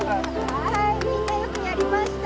はいみんなよくやりました。